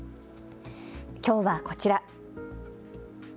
きょうはこちら。